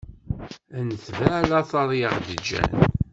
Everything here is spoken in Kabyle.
Ad netbeɛ lateṛ i ɣ-d-ğğan.